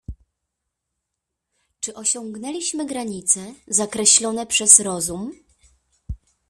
"Czy osiągnęliśmy granice, zakreślone przez rozum?"